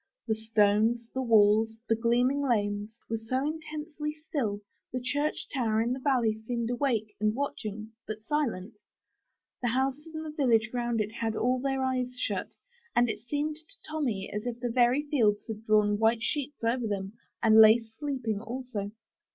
The stones, the walls, the gleaming lanes, were so intensely still, the church tower in the valley seemed awake and watching, but silent; the houses in the village round it had all their eyes shut; and it seemed to Tommy as if the very fields had drawn white sheets over them, and lay sleeping also.